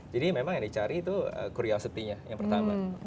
jadi memang yang dicari itu curiosity nya yang pertama